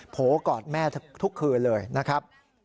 โวกอดแม่ทุกคืนเลยนะครับ